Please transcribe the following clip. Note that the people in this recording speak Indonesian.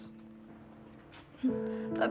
ibu gak mau ke dokter pipi